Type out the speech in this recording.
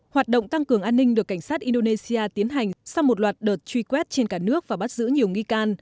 hoạt động tăng cường an ninh được cảnh sát indonesia tiến hành sau một loạt đợt truy quét trên cả nước và bắt giữ nhiều nghi can